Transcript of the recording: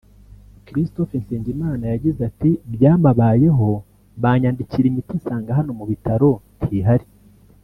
Christophe Nsengimana yagize ati “Byamabayeho banyandikira imiti nsanga hano mu bitaro ntihari